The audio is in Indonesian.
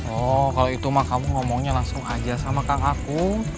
oh kalau itu mah kamu ngomongnya langsung aja sama kang aku